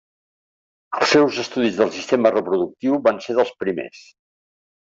Els seus estudis del sistema reproductiu van ser dels primers.